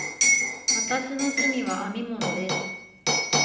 私の趣味は編み物です。